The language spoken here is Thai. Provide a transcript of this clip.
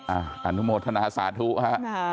อนุโมทนาสาธุฮะ